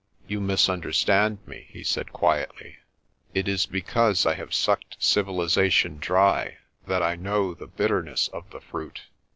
"You misunderstand me," he said quietly. "It is because I have sucked civilisation dry that I know the bitterness of the fruit.